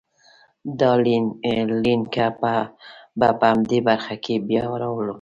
دا لیکنه به په همدغه برخه کې بیا راوړم.